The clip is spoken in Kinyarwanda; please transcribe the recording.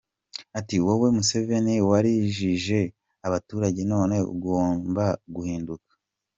Ati: “Wowe Museveni warijije abaturage none ugomba guhinduka.